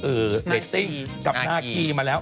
เออเรตติ้งกับนาฑีมาแล้ว